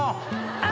あ！